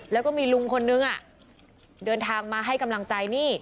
แล้วก็มีลุงคนนึงเดินทางมาให้กำลังใจนี่